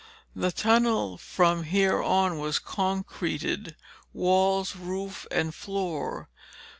The tunnel from here on was concreted, walls, roof and floor.